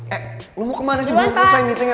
eh lo mau kemana sih belum selesai meetingnya